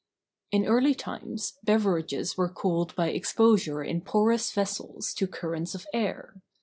In early times, beverages were cooled by exposure in porous vessels to currents of air.